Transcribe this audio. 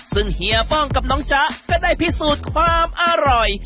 ซึ่งเฮียป้องกับน้องจ๊ะก็ได้พิสูจน์ความอร่อย